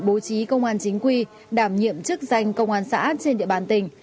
bố trí công an chính quy đảm nhiệm chức danh công an xã trên địa bàn tỉnh